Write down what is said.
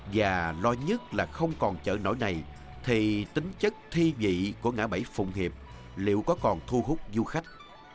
và lo nhất là không còn chợ nổi này thì tính chất thi dị của ngã bảy phụng hiệp liệu có còn thu hút du khách